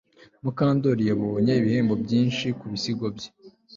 Mukandoli yabonye ibihembo byinshi kubisigo bye